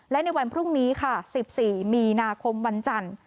และในวันพรุ่งนี้ค่ะ๑๔มีนาคมวันจันทร์